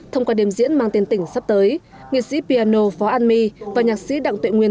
thông qua đêm diễn mang tên tình sắp tới nghị sĩ piano phó an my và nhạc sĩ đặng tuệ nguyên